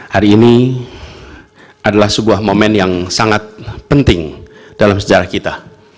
hari ini adalah sebuah momen yang sangat penting dalam sejarah kita